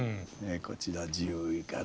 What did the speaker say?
こちら１０位から。